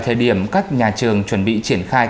thời điểm các nhà trường chuẩn bị triển khai